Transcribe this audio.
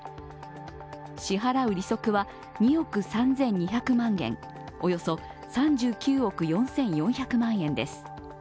支払う利息は２億３２００万元、およそ３９億４４００万円です。